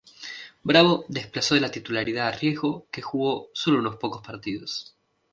Bravo desplazó de la titularidad a Riesgo que jugó solo unos pocos partidos.